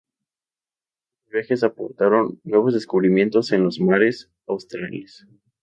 Otros viajes aportaron nuevos descubrimientos en los mares australes.